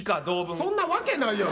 そんなわけないやろ。